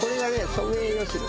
ソメイヨシノ。